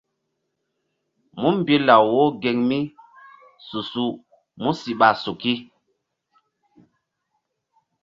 Múmbi law wo geŋ mi su-su músi ɓa suki.